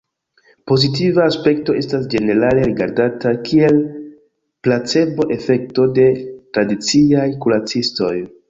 Pozitiva aspekto estas ĝenerale rigardata kiel 'placebo'-efekto de tradiciaj kuracistoj.